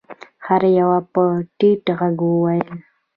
هر يوه به په ټيټ غږ ويل.